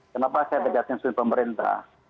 kenapa saya berkata sesuai pemerintah